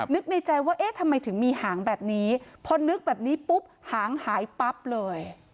นึกในใจว่าเอ๊ะทำไมถึงมีหางแบบนี้พอนึกแบบนี้ปุ๊บหางหายปั๊บเลย